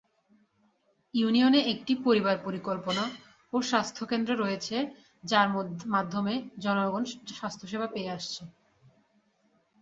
ইউনিয়নে একটি পরিবার পরিকল্পনা ও স্বাস্থ্য কেন্দ্র রয়েছে যার মাধ্যমে জনগণ স্বাস্থ্য সেবা পেয়ে আসছে।